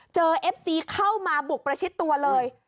เอฟซีเข้ามาบุกประชิดตัวเลย